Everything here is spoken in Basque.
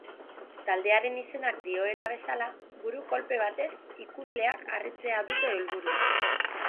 Taldearen izenak dioen bezala, buru-kolpe batez ikusleak harritzea dute helburu.